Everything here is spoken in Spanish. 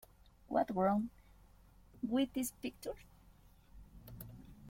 What's Wrong with this Picture?